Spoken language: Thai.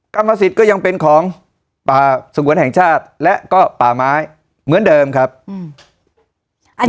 กรรมสิทธิ์ก็ยังเป็นของป่าสงวนแห่งชาติและก็ป่าไม้เหมือนเดิมครับอืม